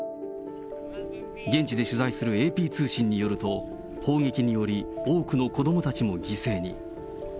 現地で取材するＡＰ通信によると、砲撃により、多くの子どもたちも犠牲に。